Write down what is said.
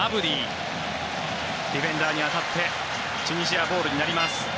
ディフェンダーに当たってチュニジアボールになります。